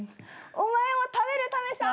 お前を食べるためさ！